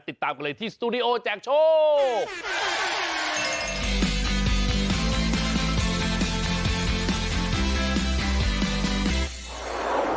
ติดตามกันเลยที่สตูดิโอแจกโชค